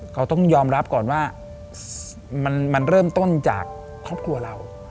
เขาต้องยอมรับก่อนว่ามันเริ่มต้นจากครอบครัวเรา